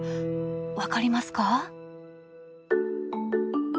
分かりますか？